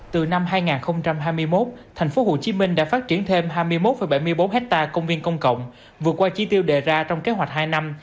từ năm hai nghìn hai mươi một tp hcm đã phát triển thêm hai mươi một bảy mươi bốn hectare công viên công cộng vượt qua trí tiêu đề ra trong kế hoạch hai năm